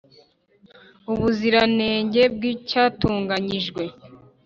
ubuziranenge bw icyatunganyijwe